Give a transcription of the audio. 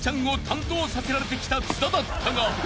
担当させられてきた津田だったが］